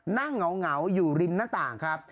เหงาอยู่ริมหน้าต่างครับ